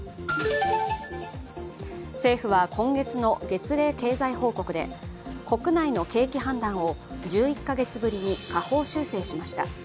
政府は今月の月例経済報告で国内の景気判断を１１か月ぶりに下方修正しました。